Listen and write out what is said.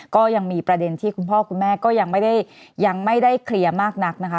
ก็ยังมีประเด็นที่คุณพ่อคุณแม่ก็ยังไม่ได้ยังไม่ได้เคลียร์มากนักนะคะ